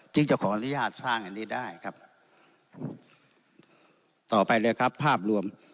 จะขออนุญาตสร้างอันนี้ได้ครับต่อไปเลยครับภาพรวม